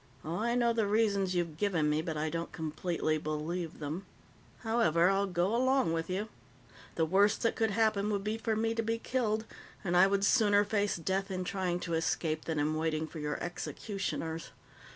Oh I know the reasons you've given me, but I don't completely believe them. However, I'll go along with you. The worst that could happen would be for me to be killed, and I would sooner face death in trying to escape than in waiting for your executioners.